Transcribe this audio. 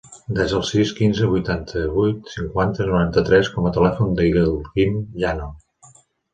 Desa el sis, quinze, vuitanta-vuit, cinquanta, noranta-tres com a telèfon del Guim Llano.